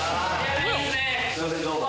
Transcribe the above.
すいませんどうも。